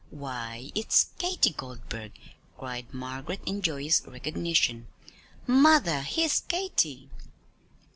Why, it's Katy Goldburg," cried Margaret in joyous recognition. "Mother, here's Katy."